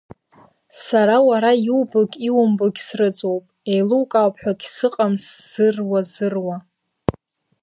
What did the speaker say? Сара уара иубогь иумбогь срыҵоуп, еилукаап ҳәагь сыҟам сзыруазыруа.